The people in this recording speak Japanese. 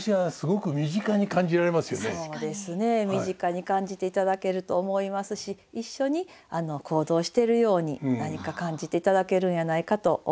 そうですね身近に感じていただけると思いますし一緒に行動しているように何か感じていただけるんやないかと思います。